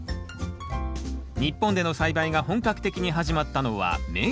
日本での栽培が本格的に始まったのは明治時代。